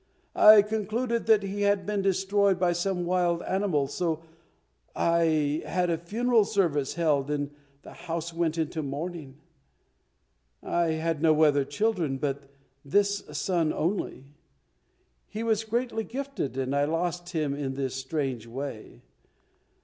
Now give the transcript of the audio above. I concluded that he had been destroyed by some wild animal, so I had a funeral service held and the house went into mourning. I had no other children but this son only. He was greatly gifted and I lost him in this strange way.